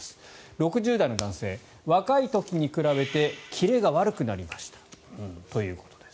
６０代の男性若い時に比べて切れが悪くなりましたということです。